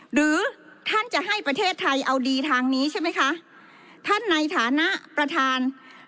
หรือท่านจะให้ประเทศไทยเอาดีทางนี้ใช่ไหมคะท่านในฐานะประธาน